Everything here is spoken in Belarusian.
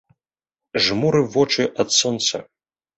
Жмурыў вочы ад сонца.